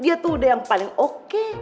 dia tuh udah yang paling oke